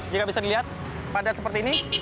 jika bisa dilihat padat seperti ini